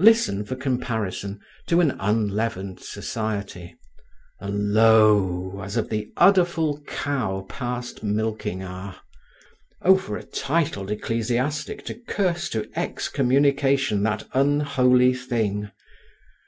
Listen, for comparison, to an unleavened society: a low as of the udderful cow past milking hour! O for a titled ecclesiastic to curse to excommunication that unholy thing!